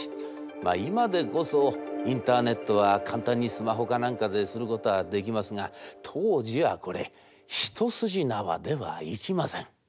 まあ今でこそインターネットは簡単にスマホか何かですることはできますが当時はこれ一筋縄ではいきません。